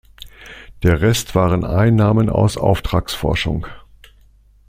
Der Rest waren Einnahmen aus Auftragsforschung.